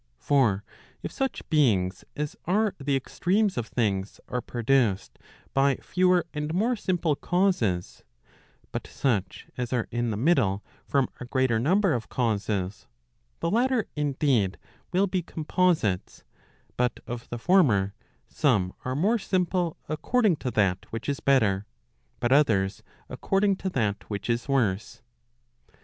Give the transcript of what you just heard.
For if such beings as are the extremes of things are produced by fewer and more simple causes, but such as are in the middle, from a greater number of causes, the latter indeed will be composites, but of the former, some are more simple according to that which is better, but other? according to that which is worse.